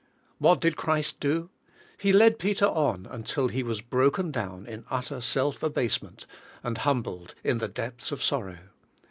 What did Christ do? He led Peter on until he was broken down in utter self abasement, and humbled in the depths of sor row.